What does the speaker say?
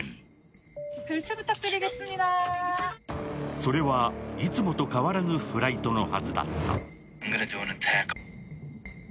それはいつもと変わらぬフライトのはずだった。